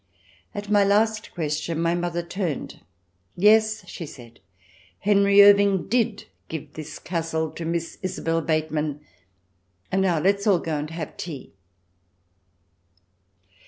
At my last question my mother turned. " Yes," she said, " Henry Irving did give this castle to Miss Isabel Bateman — and now let's all go and have tea."